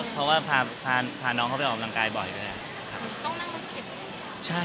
เพราะว่าพาน้องเขาไปออกอำนางกายบ่อยดี